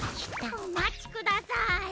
おまちください！